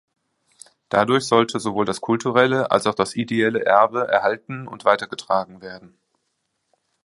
Dadurch sollte sowohl das kulturelle als auch das ideelle Erbe erhalten und weitergetragen werden.